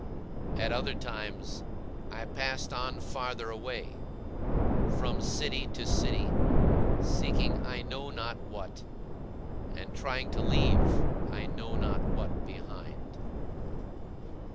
At other times, I passed on farther away, from city to city, seeking I know not what, and trying to leave I know not what behind.